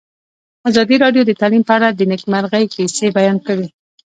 ازادي راډیو د تعلیم په اړه د نېکمرغۍ کیسې بیان کړې.